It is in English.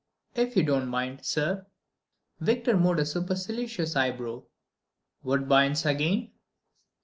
"If you don't mind, sir ..." Victor moved a supercilious eyebrow. "Woodbines again?"